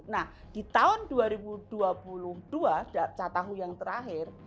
nah di tahun dua ribu dua puluh dua catahu yang terakhir